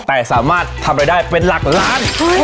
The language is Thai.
แต่สามารถทำรายได้เป็นหลักล้าน